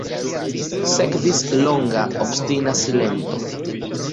Sekvis longa, obstina silento.